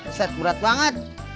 udah berat banget